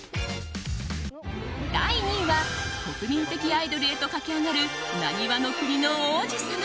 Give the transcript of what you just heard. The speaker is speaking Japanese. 第２位は国民的アイドルへと駆け上がるなにわの国の王子様。